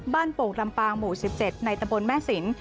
บ้านปงลำปางหมู่๑๗ในตำบลแม่สิน